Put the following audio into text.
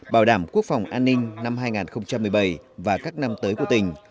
bảo đảm quốc phòng an ninh năm hai nghìn một mươi bảy và các năm tới của tỉnh